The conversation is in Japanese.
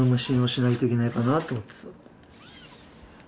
しないといけないかなと思ってさ。